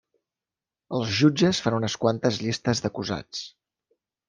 Els jutges fan unes quantes llistes d'acusats.